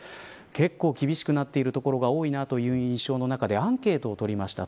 結構厳しくなっているところが多いなという印象の中でアンケートを取りました